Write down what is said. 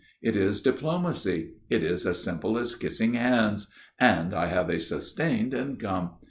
It is diplomacy. It is as simple as kissing hands. And I have a sustained income.